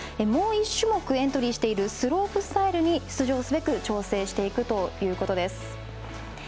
もう１種目、エントリーしているスロープスタイルに挑戦すべく調整していくということです。